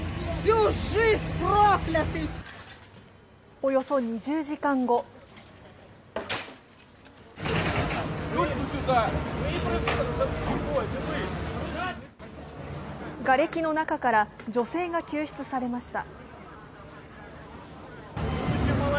およそ２０時間後がれきの中から女性が救出されました。